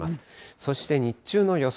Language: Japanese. そして日中の予想